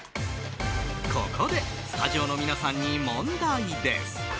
ここでスタジオの皆さんに問題です。